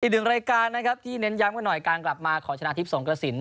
อีกหนึ่งรายการนะครับที่เน้นย้ำกันหน่อยการกลับมาของชนะทิพย์สงกระสิน